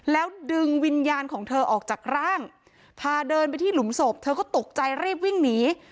แล้วดึงวิญญาณของเธอออกจากร่างพาเดินไปที่หลุมศพเธอก็ตกใจรีบวิ่งหนี